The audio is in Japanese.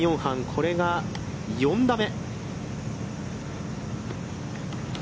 これが４打目。